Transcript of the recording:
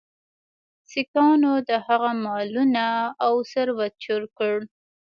سیکهانو د هغه مالونه او ثروت چور کړ.